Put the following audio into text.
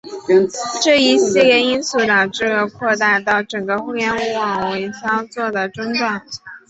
这一系列因素导致了扩大到整个互联网范围操作的中断。